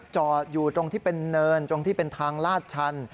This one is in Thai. จอดอยู่ตรงที่เป็นเนินตรงที่เป็นทางลาดชัน